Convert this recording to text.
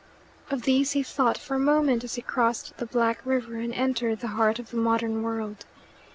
Of these he thought for a moment as he crossed the black river and entered the heart of the modern world.